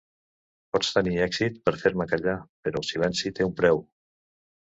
Pots tenir èxit per fer-me callar, però el silenci té un preu.